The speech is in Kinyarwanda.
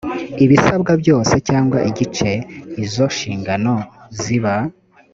ibisabwa byose cyangwa igice izo nshingano ziba